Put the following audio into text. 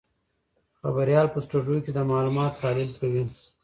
خبریال په سټوډیو کې د معلوماتو تحلیل کوي.